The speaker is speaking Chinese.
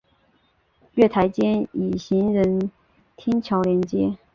月台间以行人天桥连接。